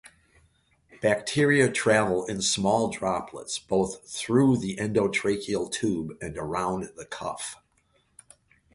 Bacteria travel in small droplets both through the endotracheal tube and around the cuff.